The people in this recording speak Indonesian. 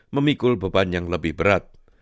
memikul beban yang lebih berat